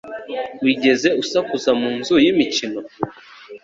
Wigeze usakuza mu nzu y'imikino?